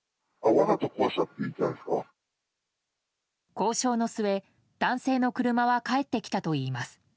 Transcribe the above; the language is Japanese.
交渉の末、男性の車は返ってきたといいます。